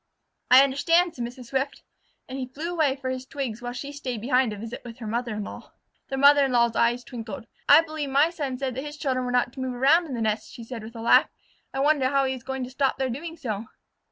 "I understand," said Mrs. Swift, and he flew away for twigs while she stayed behind to visit with her mother in law. The mother in law's eyes twinkled. "I believe my son said that his children were not to move around in the nest," she said with a laugh. "I wonder how he is going to stop their doing so."